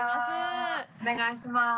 お願いします。